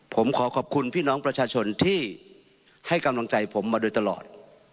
ผมขอขอบคุณพี่น้องประชาชนที่ให้กำลังใจผมมาโดยตลอด